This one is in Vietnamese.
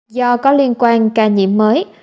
do có liên quan ca nhiễm mới